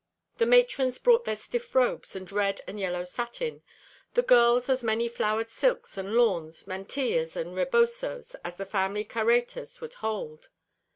The matrons brought their stiff robes of red and yellow satin, the girls as many flowered silks and lawns, mantillas and rebosos, as the family carretas would hold.